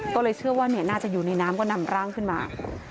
ก็เลยเชื่อว่าน่าจะอยู่ในน้ำก็นำร่างขึ้นมา